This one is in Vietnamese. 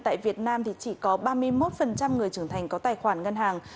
tại việt nam thì chỉ có ba mươi một người trưởng thành có tài khoản ngân hàng